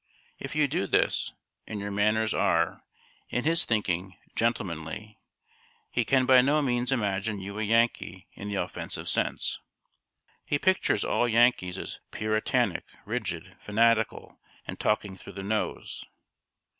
If you do this, and your manners are, in his thinking, gentlemanly, he can by no means imagine you a Yankee in the offensive sense. He pictures all Yankees as puritanic, rigid, fanatical, and talking through the nose.